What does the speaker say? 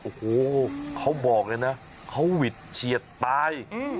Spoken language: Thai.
โอ้โหเขาบอกเลยนะเขาหวิดเฉียดตาย